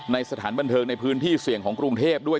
สถานบันเทิงในพื้นที่เสี่ยงของกรุงเทพด้วย